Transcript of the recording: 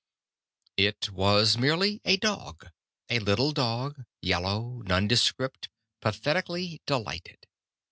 It was merely a dog. A little dog, yellow, nondescript, pathetically delighted.